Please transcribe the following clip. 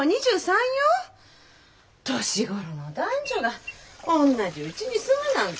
年頃の男女がおんなじうちに住むなんて。